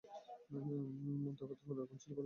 মোদ্দাকথা হল, এখন চিল করার সময় না!